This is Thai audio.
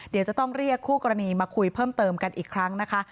เดี๋ยวจะต้องเรียกคู่กรณีมาคุยเพิ่มเติมกันอีกครั้งนะคะ